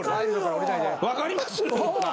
分かります？